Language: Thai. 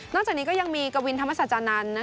นอกจากนี้ก็ยังมีกวินธรรมศจรรย์นัน